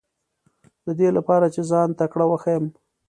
دې لپاره چې ځان تکړه وښیم.